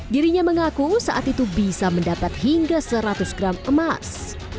dirinya mengaku saat itu bisa mendapat hingga seratus gram emas